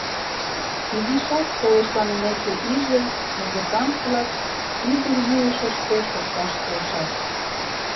Изишак койышланымеке иже, музыкант-влак ӱдырйӱышыштӧ шокташ келшат.